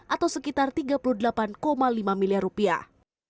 atau sekitar tiga puluh delapan lima miliar rupiah